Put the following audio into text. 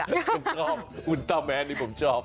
ผมชอบอุลตาแมนที่ผมชอบ